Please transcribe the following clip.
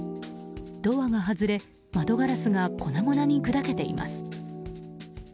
ドアが外れ、窓ガラスが粉々に砕けています。